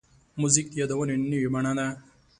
موزیک د یادونو نوې بڼه ده.